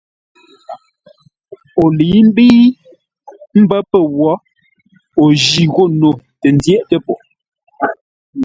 O lə̌i mbə́i mbə́ pə̂ wǒ, o jî ghô no tə ndyə́tə́ po.